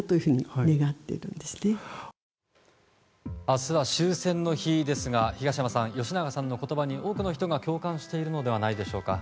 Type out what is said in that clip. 明日は終戦の日ですが東山さん、吉永さんの言葉に多くの人が共感しているのではないでしょうか。